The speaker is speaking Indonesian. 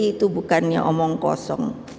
itu bukannya omong kosong